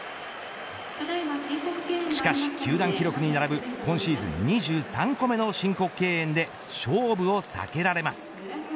しかし球団記録に並ぶ今シーズン２３個目の申告敬遠で勝負を避けられます。